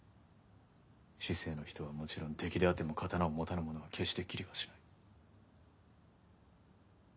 市井の人はもちろん敵であっても刀を持たぬ者は決して斬りはしない。